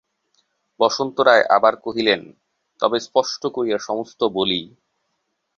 বসন্ত রায় আবার কহিলেন, তবে স্পষ্ট করিয়া সমস্ত বলি।